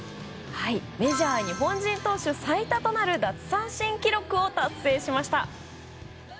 メジャー日本人投手最多となる奪三振記録を達成しました。